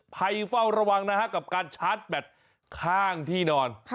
เฝ้าระวังนะฮะกับการชาร์จแบตข้างที่นอน